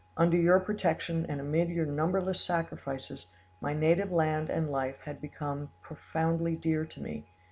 Under your protection, and amid your numberless sacrifices, my native land and life had become profoundly dear to me.